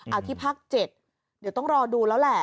เอาที่ภาค๗เดี๋ยวต้องรอดูแล้วแหละ